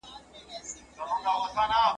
o هغه ساعت، هغه مصلحت.